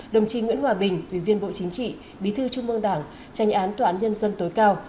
đồng chí nguyễn hòa bình ủy viên bộ chính trị bí thư trung ương đảng tranh án toán nhân dân tối cao